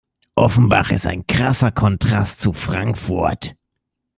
Offenbach ist ein krasser Kontrast zu Frankfurt.